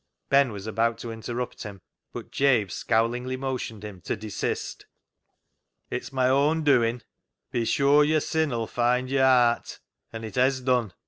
Ben was about to interrupt him, but Jabe scowlingly motioned him to desist. " It's my own doin'. * Be sure your sih 'ull find yo' aat !' An' it hez done